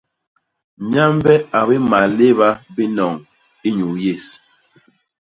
Nyambe a bimal léba binoñ inyuu yés.